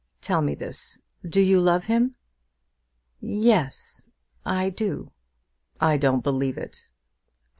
Tell me this. Do you love him?" "Yes; I do." "I don't believe it!"